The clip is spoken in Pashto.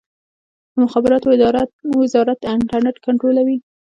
د مخابراتو وزارت انټرنیټ کنټرولوي؟